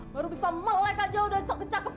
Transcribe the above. baru bisa melek aja udah sok kecapan lo